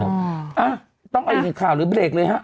อ่ะต้องเอาอีกข่าวหรือเบรกเลยฮะ